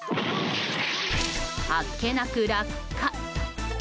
あっけなく落下。